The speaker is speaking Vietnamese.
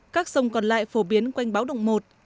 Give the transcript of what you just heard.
các sông còn lại phổ biến quanh báo động một